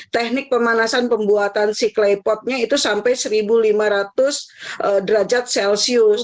teknik pemanasan pembuatan si klepotnya itu sampai seribu lima ratus derajat celcius